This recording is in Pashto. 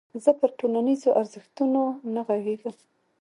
زه پر ټولنيزو ارزښتونو نه غږېږم.